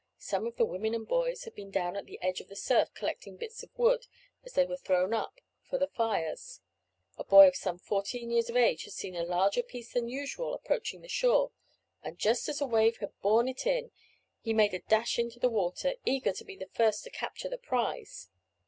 Some of the women and boys had been down at the edge of the surf, collecting bits of wood, as they were thrown up, for their fires. A boy of some fourteen years of age had seen a larger piece than usual approaching the shore, and just as a wave had borne it in, he made a dash into the water, eager to be the first to capture the prize.